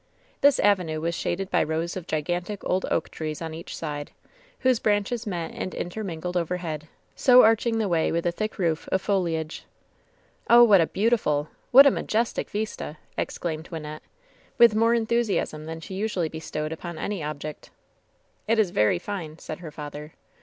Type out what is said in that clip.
This avenue was shaded by rows of gigantic old oak trees on each side, whose branches met and intermingled overhead, so arching the way with a thick roof of foliage. "Oh, what a beautiful — ^what a majestic vista !" ex claimed Wynnette, with more enthusiasm than she usually bestowed upon any object. "It is very fine," said her father.